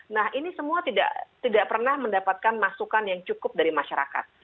nah ini semua tidak pernah mendapatkan masukan yang cukup dari masyarakat